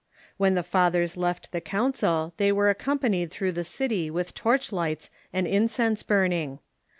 When the Fathers left the Council they Avere accompanied through the city with torch lights and incense burning.